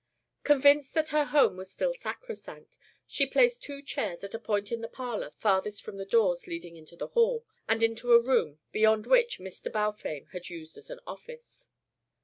Convinced that her home was still sacrosanct, she placed two chairs at a point in the parlour farthest from the doors leading into the hall, and into a room beyond which Mr. Balfame had used as an office.